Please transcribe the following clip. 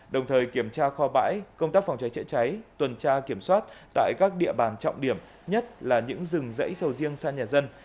đồng thời kiểm tra kho bãi công tác phòng cháy chữa cháy tuần tra kiểm soát tại các địa bàn trọng điểm nhất là những rừng rẫy sầu riêng xa nhà dân